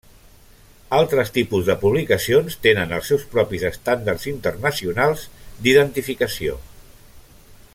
Altres tipus de publicacions tenen els seus propis estàndards internacionals d'identificació.